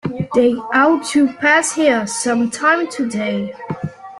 They ought to pass here some time today.